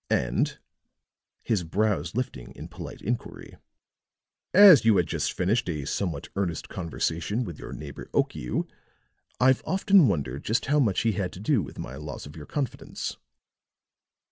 And," his brows lifting in polite inquiry, "as you had just finished a somewhat earnest conversation with your neighbor Okiu, I've often wondered just how much he had to do with my loss of your confidence."